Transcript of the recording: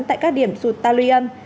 tại các điểm sụt ta lưu dương